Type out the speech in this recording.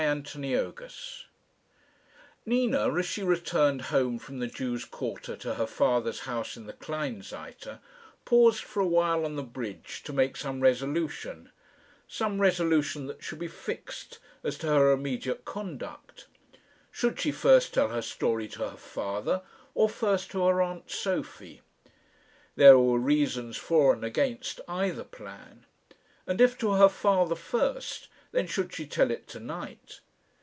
CHAPTER II Nina, as she returned home from the Jews' quarter to her father's house in the Kleinseite, paused for a while on the bridge to make some resolution some resolution that should be fixed as to her immediate conduct. Should she first tell her story to her father, or first to her aunt Sophie? There were reasons for and against either plan. And if to her father first, then should she tell it to night?